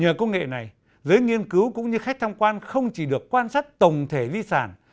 nhờ công nghệ này giới nghiên cứu cũng như khách tham quan không chỉ được quan sát tổng thể di sản